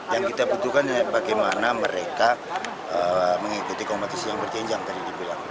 yang kita butuhkan bagaimana mereka mengikuti kompetisi yang berjenjang